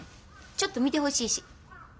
ちょっと見てほしいし。